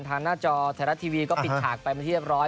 หน้าจอไทยรัฐทีวีก็ปิดฉากไปมาที่เรียบร้อย